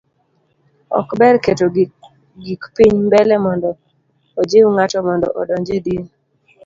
ok ber keto gik piny mbele mondo ojiu ng'ato mondo odonj e din